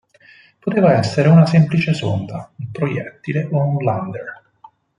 Poteva essere una semplice sonda, un proiettile o un lander.